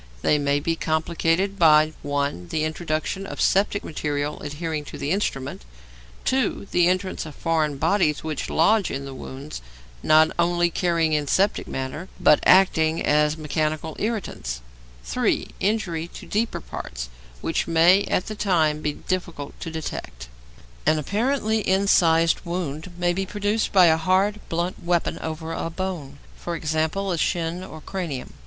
They may be complicated by (1) the introduction of septic material adhering to the instrument; (2) the entrance of foreign bodies which lodge in the wound, not only carrying in septic matter, but acting as mechanical irritants; (3) injury to deeper parts, which may at the time be difficult to detect. An apparently incised wound may be produced by a hard, blunt weapon over a bone e.g., shin or cranium.